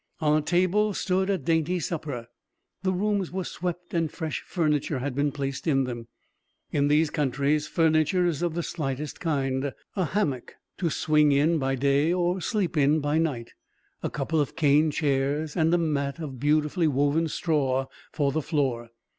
On a table stood a dainty supper. The rooms were swept, and fresh furniture had been placed in them. In these countries furniture is of the slightest kind. A hammock, to swing in by day or sleep in by night; a couple of cane chairs; and a mat, of beautifully woven straw, for the floor.